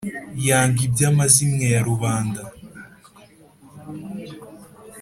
Yanga iby'amazimwe ya rubanda